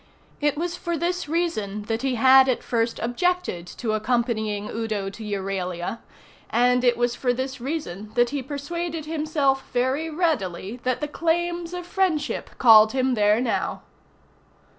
It was for this reason that he had at first objected to accompanying Udo to Euralia, and it was for this reason that he persuaded himself very readily that the claims of friendship called him there now.